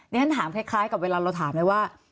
ฉันถามคล้ายกับเวลาเราถามเลยว่า